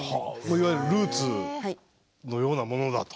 いわゆるルーツのようなものだと。